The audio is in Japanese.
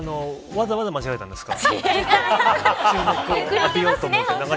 わざわざ間違えたんですか。